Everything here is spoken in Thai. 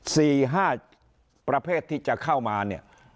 สี่ห้าประเภทที่จะเข้ามาเนี่ย